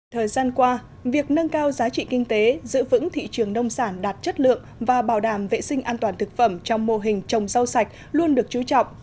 thời gian qua việc nâng cao giá trị kinh tế giữ vững thị trường nông sản đạt chất lượng và bảo đảm vệ sinh an toàn thực phẩm trong mô hình trồng rau sạch luôn được chú trọng